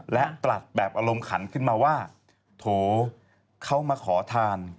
และตรัสแบบอารมณ์ขันขึ้นมาว่าโถเขามาขอทาน